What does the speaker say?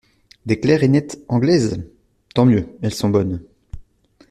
Des clarinettes anglaises ? Tant mieux ! elles sont bonnes.